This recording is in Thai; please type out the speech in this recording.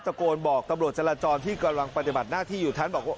ตะโกนบอกตำรวจจรจรที่กำลังปฏิบัติหน้าที่อยู่ทั้ง